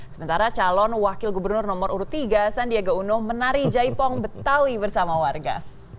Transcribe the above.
sementara calon wakil gubernur nomor urut tiga sandiaga uno menari jaipong betawi bersama warga